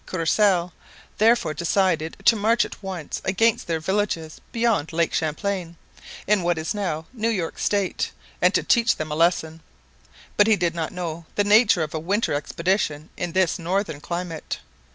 Courcelle therefore decided to march at once against their villages beyond Lake Champlain, in what is now New York state and to teach them a lesson. But he did not know the nature of a winter expedition in this northern climate.